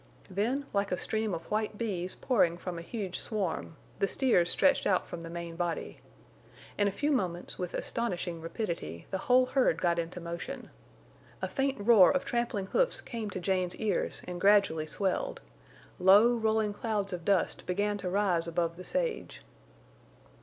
Then, like a stream of white bees pouring from a huge swarm, the steers stretched out from the main body. In a few moments, with astonishing rapidity, the whole herd got into motion. A faint roar of trampling hoofs came to Jane's ears, and gradually swelled; low, rolling clouds of dust began to rise above the sage.